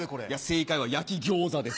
正解は焼き餃子です。